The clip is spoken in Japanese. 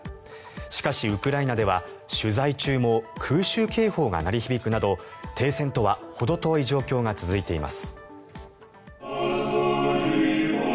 しかし、ウクライナでは取材中も空襲警報が鳴り響くなど停戦とは程遠い状況が続いています。